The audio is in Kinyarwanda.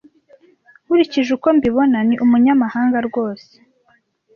Nkurikije uko mbibona, ni umunyamahanga rwose.